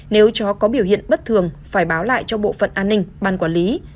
nếu chó có biểu hiện bất thường phải báo lại cho bộ phận an ninh ban quản lý